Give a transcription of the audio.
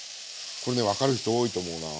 これね分かる人多いと思うな。